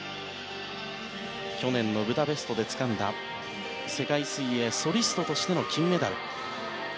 去年のブダペストでつかんだ世界水泳ソリストとしての金メダル。